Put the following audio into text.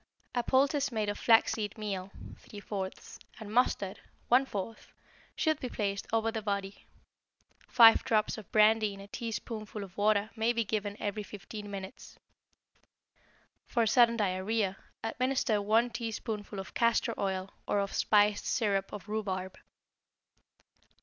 A poultice made of flaxseed meal (3/4) and mustard (1/4) should be placed over the body. Five drops of brandy in a teaspoonful of water may be given every 15 minutes. For sudden diarrhoea, administer one teaspoonful of castor oil or of spiced syrup of rhubarb.